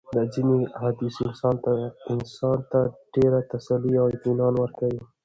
دا ځېني احاديث انسان ته ډېره تسلي او اطمنان ورکوي